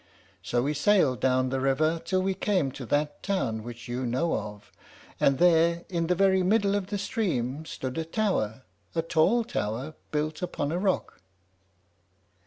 "So we sailed down the river till we came to that town which you know of; and there, in the very middle of the stream, stood a tower, a tall tower, built upon a rock.